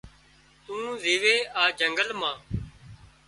تون زيوي آ جنگل مان